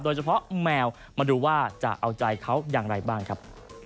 แมวมาดูว่าจะเอาใจเขาอย่างไรบ้างครับ